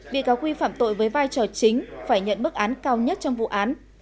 bị cáo quy phạm tội với vai trò chính phải nhận bức án cao nhất trong vụ án